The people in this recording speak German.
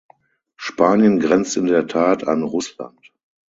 Spanien grenzt in der Tat an Russland.